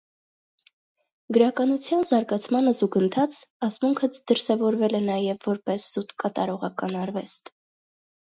Գրականության զարգացմանը զուգընթաց՝ ասմունքը դրսևորվել է նաև որպես զուտ կատարողական արվեստ։